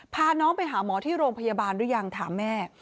พาน้องไปหาหมอที่โรงพยาบาลหรือยังถามแม่